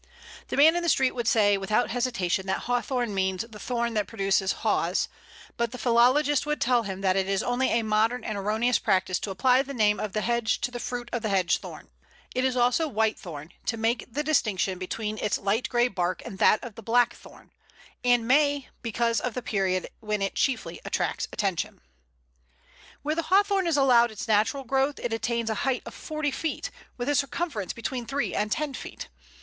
The man in the street would say without hesitation that Hawthorn means the thorn that produces Haws, but the philologist would tell him that it is only a modern and erroneous practice to apply the name of the hedge to the fruit of the hedge thorn. It is also Whitethorn, to make the distinction between its light grey bark and that of the Blackthorn; and May because of the period when it chiefly attracts attention. [Illustration: Pl. 118. Fruits of Hawthorn.] [Illustration: Pl. 119. True Service winter.] Where the Hawthorn is allowed its natural growth, it attains a height of forty feet, with a circumference between three and ten feet.